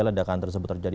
ledakan tersebut terjadi